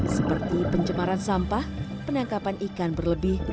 seperti pencemaran sampah penangkapan ikan berlebih